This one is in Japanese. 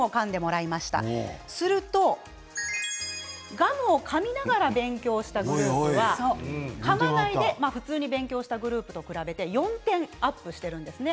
ガムをかみながら勉強したグループは、かまないで普通に勉強したグループに比べて４点アップしています。